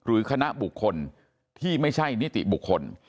คณะบุคคลที่ไม่ใช่นิติบุคคล